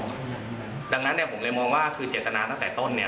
เพราะฉะนั้นผมมองว่าคือเจกตนาทั้งแต่ต้น